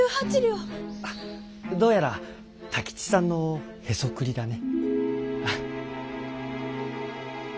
どうやら太吉さんのへそくりだね。